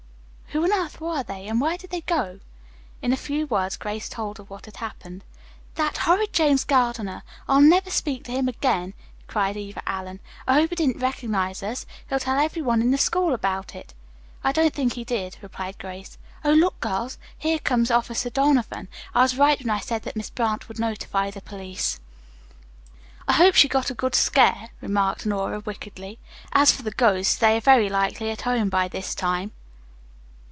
Who on earth were they, and where did they go?" In a few words Grace told her what had happened. "That horrid James Gardiner. I'll never speak to him again," cried Eva Allen. "I hope he didn't recognize us. He'll tell every one in school about it." "I don't think he did," replied Grace. "Oh, look, girls! Here comes Officer Donavan! I was right when I said that Miss Brant would notify the police." "I hope she got a good scare," remarked Nora wickedly. "As for the ghosts, they are very likely at home by this time."